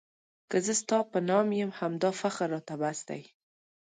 که زه ستا په نام یم همدا فخر راته بس دی.